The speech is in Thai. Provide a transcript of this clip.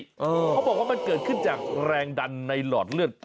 เขาบอกว่ามันเกิดขึ้นจากแรงดันในหลอดเลือด